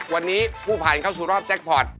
วันนี้ผู้ผ่านเข้าสู่รอบแจ็คพอร์ต